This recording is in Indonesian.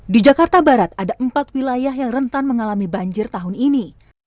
di jakarta barat ada empat wilayah yang rentan mengalami banjir tahun ini